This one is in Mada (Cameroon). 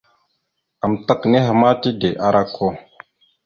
Amətak nehe ma tide ara okko.